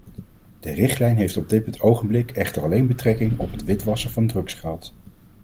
De richtlijn heeft op dit ogenblik echter alleen betrekking op het witwassen van drugsgeld.